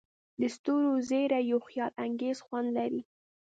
د ستورو زیرۍ یو خیالانګیز خوند لري.